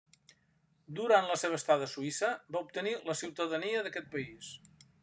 Durant la seva estada a Suïssa, va obtenir la ciutadania d'aquest país.